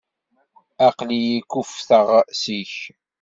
Aql-iyi kuffteɣ seg-k.